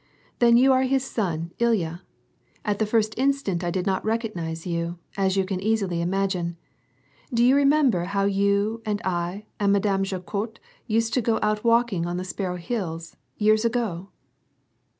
"Then you are his son Ilya. At the first instant I did not recognize you, as you can easily imagine. Do you remember how you and I and Madame Jaquot used to go out walking on the Sparrow Hills — years ago